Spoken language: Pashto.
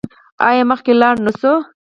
آیا مخکې لاړ نشو؟